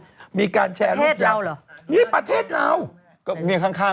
โบราณมีการแชร์รูปอย่าง